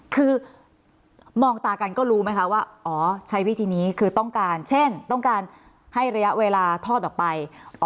คือมองตากันก็รู้ไหมคะว่าอ๋อใช้วิธีนี้คือต้องการเช่นต้องการให้ระยะเวลาทอดออกไป